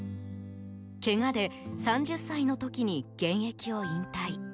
けがで３０歳の時に現役を引退。